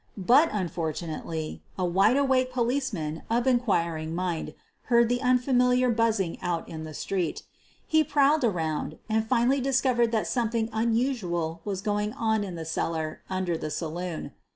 But, unfortunately, a wide awake policeman of inquiring mind heard the unfamiliar buzzing out in the street. He prowled around and finally discovered that something un usual was going on in the cellar under the saloon.